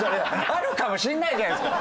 あるかもしれないじゃないですか。